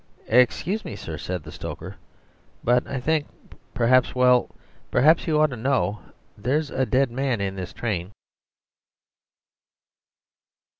"Excuse me, sir," said the stoker, "but I think, perhaps well, perhaps you ought to know there's a dead man in this train."